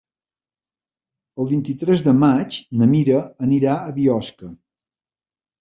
El vint-i-tres de maig na Mira anirà a Biosca.